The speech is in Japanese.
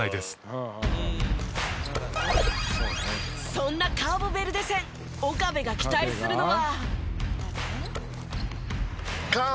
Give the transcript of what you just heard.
そんなカーボベルデ戦岡部が期待するのは。